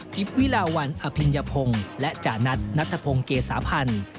วิลาวันอภิญพงศ์และจานัทนัทพงศ์เกษาพันธ์